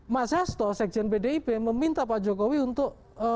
mas hasto sekjen pdip meminta pak jokowi untuk